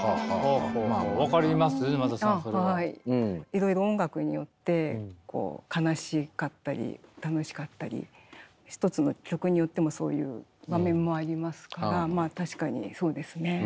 いろいろ音楽によって悲しかったり楽しかったり一つの曲によってもそういう場面もありますからまあ確かにそうですね。